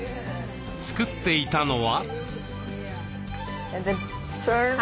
作っていたのは。